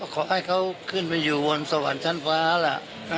ขอให้เขาขึ้นไปอยู่บนสวรรค์ชั้นฟ้าล่ะ